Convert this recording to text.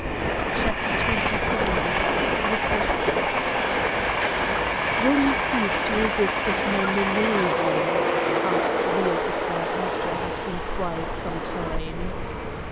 CHAPTER XXIII THE PURSUIT "Will you cease to resist if my men leave you?" asked the officer after I had been quiet some time.